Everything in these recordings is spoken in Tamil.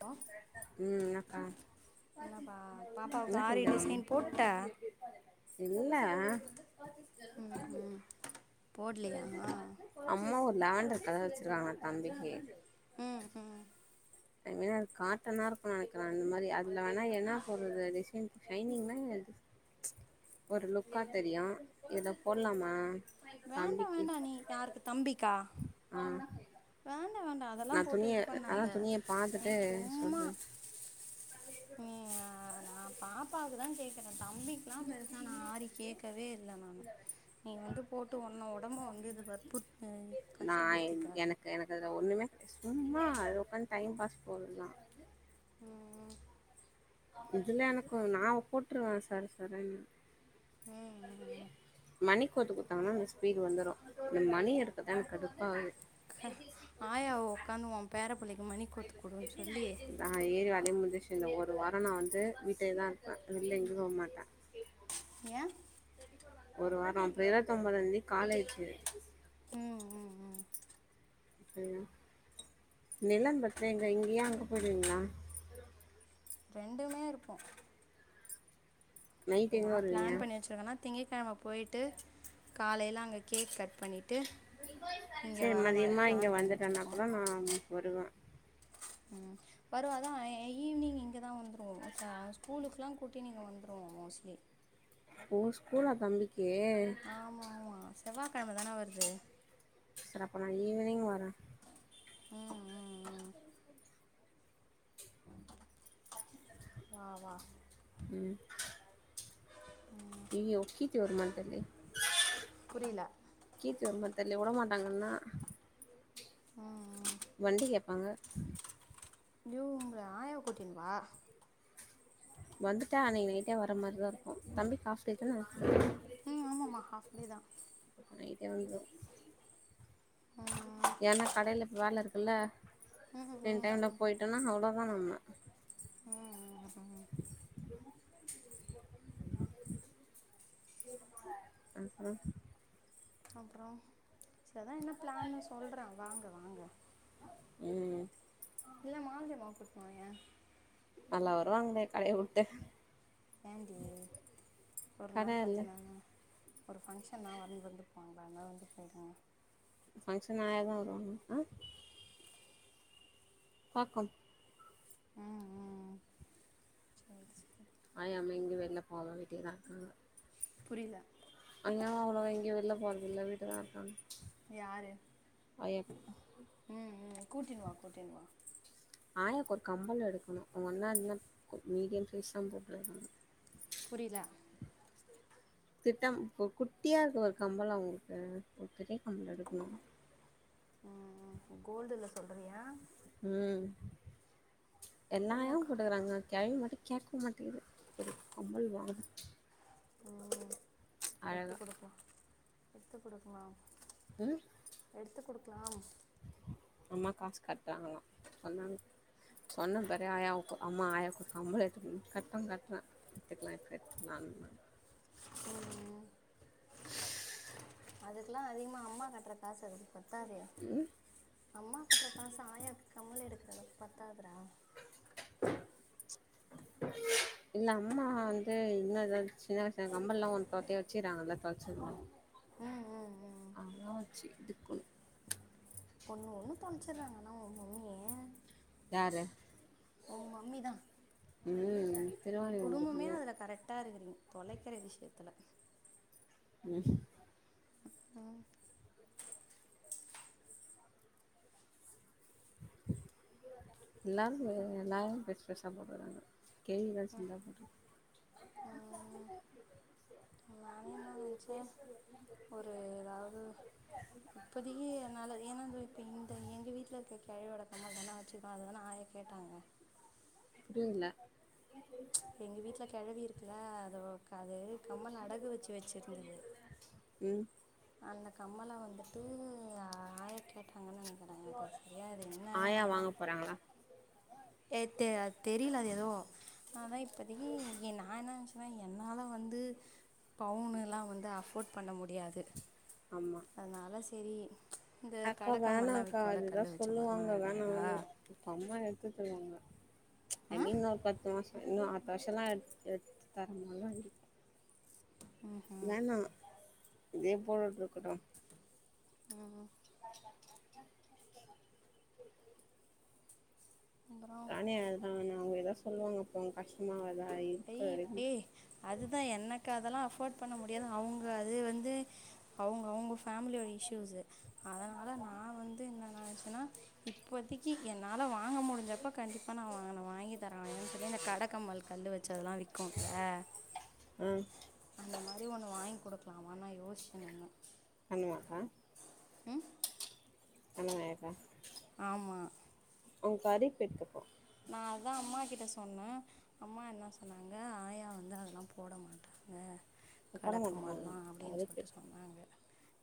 பா உம் எனக்கா என்னப்பா பாப்பாவுக்கு என்ன ஆரி செஞ்சாம் டிசைன் போட்ட இல்ல உஹம் அம்மா ஒரு லெவன்டருக்கலரு வச்சிருக்காங்க தம்பிக்கு உஹம் உஹம் எங்கே காட்டனா இருக்கும் நினைக்கிறேன் இந்த மாதிரி அதுல வேணா என்ன போறது டிசைன்கு லைனிங்னா ஒரு லுக்கா தெரியும் ஏதோ போடலாமா வேண்டா தம்பிக்கு வேண்டா நீ ஆஹ் வேண்டாம் வேண்டாம் அதெல்லாம் போட்டு இது அதா பண்ணாத துணிய நீ பாத்துட்டு சும்மா சொல்றே உம் ஹா நான் பாப்பாவுக்குதான் கேக்குறேன் தம்பிக்கெல்லாம் பெருசா நான் ஆறி கேட்கவே இலை நானு நீ வந்து போட்டு ஒண்ண உடம்ப வந்து இது வற்புற் கஷ்டப்படுத்திக்காத அத ஒண்ணுமே சும்மா அது உக்காந்து டைம் பாஸ் போடலாம் ம் ம் இதுல எனக்கு நான் போட்டுருவேன் சர் சர்ருன்னு ம் ம் மணி கோத்து குடுத்தாங்கன்னா இந்த ஸ்பீடு வந்துரும் இந்த மணி எடுக்கதான் எனக்கு கடுப்பா ஆகுது ஆயா உக்காந்து உன் பேரப்பிள்ளைக்கு மணி கோத்துக்கடும்ன்னு சொல்லி நான் ஏறி வேலையை முடிஞ்சிச்சு இந்த ஒரு வாரம் நான் வந்து வீட்டே தான் இருப்பேன் வெள்ள எங்கும் போ மாட்டேன் யே ஒரு வாரம் அப்புறம் இருபத்தி ஒன்பதாம்தேதி காலேஜு ம் ம் ம் அப்படியா நிலம் பத்தேன் எங்க இங்கயன் அங்க போயிடுவீங்களா ரெண்டுமே இருப்போ நைட் எங்கே நான் வருவீங்க பிளான் பண்ணி வச்சிருக்கேன்னா திங்க்கிழமை போயிட்டு காலையில அங்க கேக் கட் பண்ணிட்டு இங்கே சரி வர மாதிரி மதியமாக இங்கே பிளான் பண்ணி வந்துட்டேன்னா வச்சருக்கோம் கூட நான் வருவேன் உம் வருவா தான் ஈவினிங் இங்கதான் வந்துருவோ ஷா அவ ஸ்கூலுக்குல்லாம் கூட்டினு இங்க வந்துரு மோஸ்ட்லி ஓ ஸ்கூலா தம்பிக்கே செவ்வாய்கிழமை தானே வருது சரிப்ப நான் ஈவினிங் வரேன் உம் உம் உம் வா வா உம் இயோ கீத்திவர்மான்னு தெர்லயே புரியல கீத்திவர்மா தெர்ல விட மாட்டாங்கன்னா ம் ம் வண்டி கேப்பாங்க வ்ங்க ஆயவ கூட்டின்வா வந்துட்டா அன்னைக்கு நைட்டே வர்ர மாதிரிதான் இருக்கும் தம்பி ஹாஃப் டே தான‌ ஸ்கூலு உம் ஆமாம்மா ஹாஃப் டே தான் நைட்டே வந்துரு ஏனா கடையிலப்ப வேலை இருக்குல்ல ம் என் ம் டைம்ல போயிட்டேனா அவ்வளோதான் நம்ம ம் ம் ம் அப்புறம் அப்புறம் சரிதான் என்ன பிளான்னு சொல்றேன் வாங்க வாங்க ம் இல்ல மாலதிம்மா கூட்டண வாய நல்லா வருவாங்களே கடைய உட்டு ஏண்டி ஒரு கட நாள் இல்ல கொஞ்ச [inaudible] ஒரு ஃபங்க்ஷன்னா வண்டு வந்து போங்களா அதந்தா வந்து போயிடுங்க பங்ஷன் ஆயதும் வருும் ஆ பக்கம் ம் ம் சரி சரி ஆய்மா எங்க வெளில போவ வீட்டுதான் இருக்காங்க புரியல அங்கயாவான் அவளவா எங்கய வெளில போறதுில்ல வீட்டுதான் இருக்கான்ங்க யாரு ம் ம் கூட்டின் வா கூட்டின் வா ஆயாக்கு ஒரு கம்பல் எடுக்கணும் உங்க என்ன்னா என்ன மீடியம் சைஸ் தான் [inaudible] புரில திட்டம் குட்டியா இருக்கு ஒரு கம்பல் அவங்களுக்கு ஒரு பெரிய கம்பல் எடுக்கணும் ம் ம் கோல்டுல சொல்றியா ம் எல்லா ஆயாவும் எனக்கு போட்டுக்கறாங்க கிழவி மட்டும் கேட்க மாட்டேங்கது ஒரு கம்பல் வாங்கணும் ஓ எத்து கொடுப்போ எத்து கொடுக்கலாம் ம் எடுத்து கொடுக்கலாம் அம்மா காசு கட்ராங்கலா சொன்னாங்க சொன்ன பற ஆயாவுக்கு அம்மா ஆயாவுக்கு கம்பள எடுத்து கட்ற கட்ற எடுத்துக்கலா இப்ப எடுத்துக்கலா அதுக்கெல்லா அதிகமா அம்மா கட்ற காசு அதுக்கு பத்தாதே அம்மா கட்ற காசு ஆயாவுக்கு கம்மல் எடுக்கிற அளவுக்கு பத்தாதடா இல்ல அம்மா வந்து இன்னு ஏதாவது சின்ன வயச கம்ப எல்லாம் ஒ தோத்தைய வச்சுறாங்கல்ல தொலைச்சது ம் ம் ம் அதான் வச்சு இது ஒண்ணு ஒண்ணு துலச்சிடறாங்கன்னா உ மம்மி யாரு உன் மம்மி தான் ம் திருவாணி குடும்பமே வந்துருக்கு அதுல கரெக்டா இருக்கறீங்க தொலைக்கரை விஷயத்துல ம் ம் எல்லாரும் அக்கா எல்லா ஆயாவும் பெஸ பெசாக போட்றாங்க கெழவி தான் சின்னதா போற்றுக்கு ம், நானே என்ன நினைச்சே ஒரு ஏதாவது இப்போதிக்கி என்னால ஏனாந்த இப்ப இந்த எங்க வீட்ல இருக்க கெழவிட அம்மா தன வச்சுக்கோ அதுதானே ஆயா கேட்டாங்க புரியல எங்க வீட்ல கிழவி இருக்குல்ல அது அது கம்மல் அடகு வச்சு வச்சிருந்தது ம் அந்த கம்மலை வந்துட்டு ஆயா கேட்ட ஆயா அம்மா வாங்க போறாங்களா ஏ தெ தெரியல அது ஏதோ அதான் இப்பதைக்கி நான் என்ன நினைச்சுன்னா என்னால வந்து பவுனுலா வந்து அஃபோர்ட் பண்ண முடியாது ஆமா அதனால சரி இங்க அக்கா கடக்கமெல்லாம் வேணாக்கா விக்கும்ல அதுதா கல் வச்ச மாரிலாம் சொல்லுவாங்க வேணா அழகழகா வேணா இப்ப அம்மா எடுத்து தருவாங்க ஐ மீன் இன்னொரு பத்து மாச இன்னும் அத்து வருஷம் லாம் எ எடத்து தரம [inaudible] வேணா இதே போட்டுட்டு இருக்கட்டு [unintelligible] அப்புறம் ராணியா அதா அவங்க ஏதா சொல்லுவாங்க அப்ப கஷ்டமாவாதா அய்யயோ ஏ அது எனக்கு அதெல்லா அஃபோர்ட் பண்ண முடியாது அவங்க அது வந்து அவங்க அவங்க ஃபேமிலியோட இஷ்யூசு அதனால நா வந்து என்னன்னச்சுன்னா இப்போதைக்கு என்னா வாங்க முடிஞ்சப்போ கண்டிப்பா நா வாங்கன்னா வாங்கி தரே என்ன்னு சொல்லி இந்த கடக்கம்பல் கல் வச்சு இங்க அதலா விக்கும்ல ஆ அந்த மாரி ஒண்ணு வாங்கி கொடுக் லாமா நா யோசிச்ச ஒன்னு பண்ணுவா கா ம் [unintelligible] ஆமா அவங்க கறி போயிருக்கப்போ நா அதா அம்மா கிட்ட சொன்ன அம்மா என்ன சொன்னாங்க ஆயா வந்து அதல்லா போட மாட்டாங்க போட கட மாட்டாங்க அவங்க கம்மாலா அப்டினு கறி சொல்ட் போயிரு சொன்னாங்க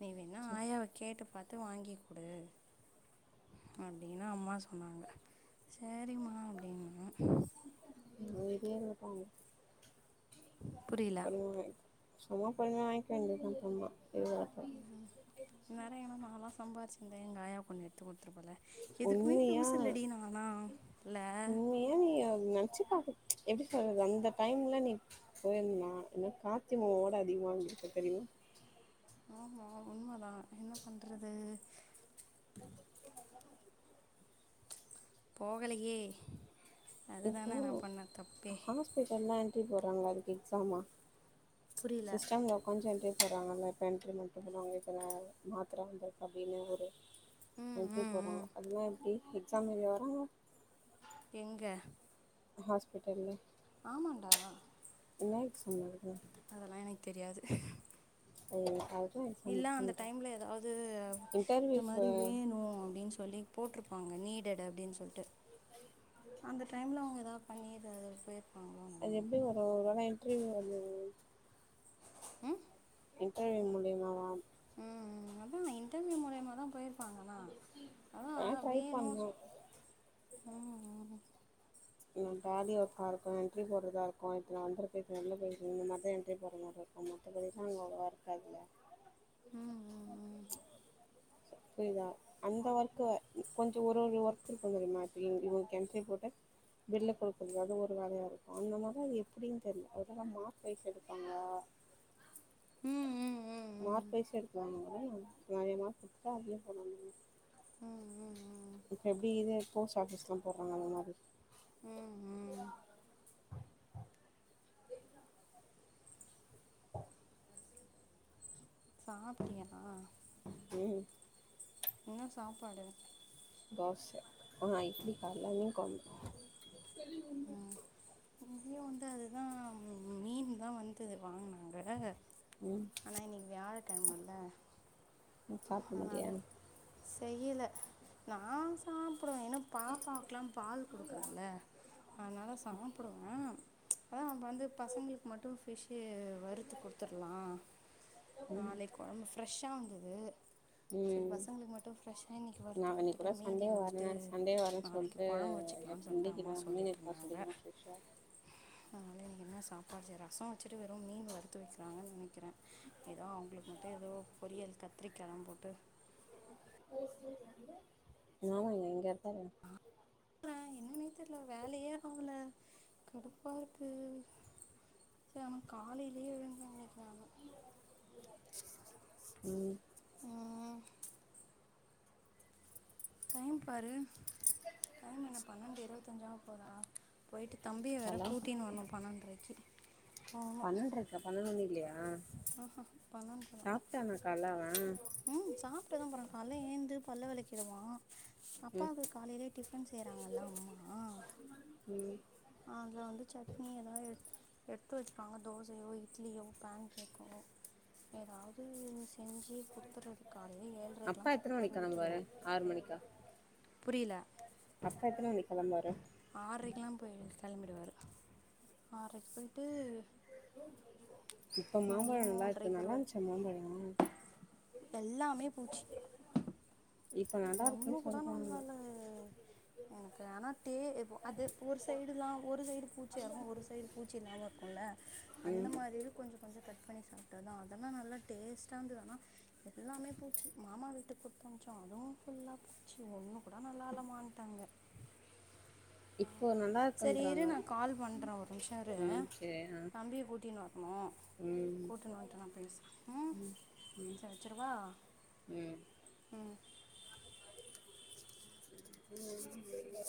நீ வேணா ஆயாவ கேட்டு பாத்து வாங்கி குடு அப்டினு அம்மா சொன்னாங்க செரிம்மா அப்டின்னா பண்ணுவாங்க சும்மா பண்ணி வங்கிக வேண்தா சும்மா உம் இந்நேறோ எங்கனா மாமா சம்பாதிச்சிருந்தா எங்காயா பொண்ணு எத்துக்கு போல எதுக்குமே உண்மையா யூஸ் இல்லடி நானா இல்ல உண்மையா நீ நெனச்சு பாக்க எப்டி சொல்றது அந்த டைம்ல நீ போய்ருந்தீனா இன்னு கார்த்தி மாமா ஓட அதிகமா வந்துருப தெரியுமா ஆமா உண்மதா என்ன பண்றது போகலையே இப்போ அதுதான நா பண்ண தப்பே ஹாஸ்பிட்டல்னா என் ட்ரி போட்றாங்களா அதுக்கு எக்ஸாம புரில சிஸ்டம்ல உக்காஞ்சி எண்ட்ரி போட்றாங்கள எண்ட்ரி மட்டு பண்ணுவாங்க இப்ப நா மாத்ர வந்ருக்கு அப்டினு ஒரு ம் எண்ட்ரி ம் ம் போட்றாங்க அதுலா எப்டி எக்ஸா எழுத வாறாங்க எங்க ஹாஸ்பிட்டல்ல ஆமாடா என்ன எக்ஸாம் நடக்குது அதெல்லா எனக் தெரியாது உ இல்ல அந்த டைம்ல ஏதாவது இந்த இன்டர்வியூஸு மாறி வேணு அப்டினு சொல்லி போட்ருப்பாங்க நீடெட் அப்டினு சொல்ட்டு அந்த டைம்ல அவுங்க எதாவ் பண்ணி எதாவது போய்ர்ப்பாங்க அது எப்டி வரு ஒரு வேல இன்ட்ரிவ் வந் உம் இன்டர்வியூ மூல்யமாவா உம் அதா இன்டவியூ மூல்யமா தா போய்ருப் ஆ ட்ரை பண்ணு ம் ம் டாலி ஒர்க்கா இருக்கூ எண்ட்ரி போட்றதா இருக்கூ இப்ப நா வந்துருக்றது வந்து எண்டர்பிரைஸ் இந்த மாறிதா எண்ட்ரி போட்ற மாறி இருக்கூ அ மத்தபடிலா அங்க அவ்ளவா இருக்காது ம் ம் புரிதா அந்த ஒர்க் கொஞ்ச ஒரு ஒரு ஒர்க் இருக்கு தெரியுமா இப்ப இப்டி எண்ட்ரி போட் பில்ல குடுக்றது அது ஒரு வேலயா இருக்கூ அந்த மாறிதா அது எப்டினு தெர்ல அதல்லா மார்க் வய்ஸ் எடுப்பாங்களா ஆ மார்க் வய்ஸ் எடுக்ராங்தான நெறய மார்க் எடுத்துட்டா அதயே பண்ணல ம் இப்ப எப்டி இது போஸ்ட் ஆபீஸ்லா போட்றாங்க அந்த மாறி உம் ம் சாப்ட்டீங்களா ம் என்ன சாப்பாடு தோச ஆ இட்லி கால மீன் கொழம்பு இங்கயு வந்து அதுதா மீன் தா வந்து வாங்னாங்க ம் ஆனா இன்னிக் வியாழக்கெழமல்ல ம் சாப்ட மாட்டியா செய்யல நா சாப் சாப்டுவே இன்னு பாப்பாக்லா பால் குடுக்றல அனால சாப்டுவே அதா வந்து பசங்களுக் மட்டு பிஷ் வறுத் குடுத்ரலா ம் நாளைக் கொழம்பு ஃப்ரெஷ்ஷா வந்துது சரி ம் பசங்ளுக்கு மட்டு ஃப்ரெஷ்ஷா இன்னிக்கு வறுத்து நான் இன்னைக்கு குடுத்துட்டு கூட சண்டே மீதிய வந்துட்டு வரேன் சண்டே வரேன்னு நாளைக் சொல்லிட்டு கொழம்பு என் வச்சிக்லானு சொல்ட்டு அம்மா ஃப்ரெண்டுக்கிட்ட நான் மீன் சொல்லிட் எடுத்தான் இருந்தாங்க சொல்லிக்கிறேன் ஃப்ரெஷ்ஷாக அதுனால இன்னிக்கு என்ன சாப்பாடு செய்ராங் ரசோ வச்சிட்டு வெரூ மீன் வறுத்து வய்குறாங்கனு நெனைக்குறே ஏதோ அவுங்ளுக் மட்டு ஏதோ பொரியல் கத்ரிக்காலா போட்டு ஆமாங்க இங்க இருக்காரு ஆ என்னன்னே தெரியல வேலையே ஆகல கடுப்பா இருக்கு சரி அவ காலையிலயே எழுந்துண்ணக்கிறா ம் நான் டைம் பாரு டைம் என்ன பன்னெண்டு இருபத்தஞ்சாவ போதா போய்ட்டு தம்பியை வேற காலா கூட்டின்னு வரு பணன்றக்கு பண்ணன்ரைக்கா பண்ணண்டு மணி இல்லையா ஆஹா பன்னெண்டு தான் சாப்ட்டானா கால்ல அவ ம் சாப்ட்டுதா போறே கால்ல ஏந்து பல்ல வெளக்கிருவா ம் அப்பாவுக்கு காலையிலயே டிஃபன் செய்யறாங்கல்ல அம்மா ம் அதுல வந்து சட்னி எதாவது எ எடுத்து வச்சுக்காங்க தோசையோ இட்லியோ பேன் கேக்கோ ஏதாவது செஞ்சு குடுத்துறது கால ஏழ்ரைக்குலா அப்பா எத்தனை சப்பாடு மணிக்கு ஊட்டிடுவே கிளம்புவாரு ஆறு மணிக்கா புரியல அப்பா எத்தன மணிக்கு கெளம்புவாரு ஆரைக்குல்லா போயிடுது கெளம்பிடுவாார் ஆரைக்கு போயிட்டு இப்ப மாம்பழ மதியம் நல்லாருக்கு மூன்றைக்கு வருவாரு நல்லாருந்ச்சா மாம்பழ எல்லாமே பூச்சி இப்ப நல்லா ஒண்ணு இருக்குன்னு கூட சொல்றாங்க நல்லால எனக்கு ஆனா டே அது ஒரு சைடுல்லா ஒரு சைடு பூச்சியா இருக்கு ஒரு சைடு பூச்சி இல்லாம இருக்கும்ல அந்த ம் மாறிது கொஞ்ச கொஞ்ச கட் பண்ணி சாப் அததா அதெல்லா நல்லா டேஸ்ட்டா இருந்தது ஆனா எல்லாமே பூச்சி மாமா வீட்டு கொடுத்தமிச்சோ அதுவும் ஃபுல்லா பூச்சி ஒண்ணு கூட நல்லாலமாண்ட்டாங்க இப்போ நல்லா சரி இரு இருக்குன்றாங்க நா கால் பண்றே ஒரு நிமிஷ இரு ம் சேரி ஆ தம்பிய கூட்டினு வரணு ம் கூட்டுன்னு வண்ட்டு நா பேசே ம் சரி வச்சுருவா ம் ம்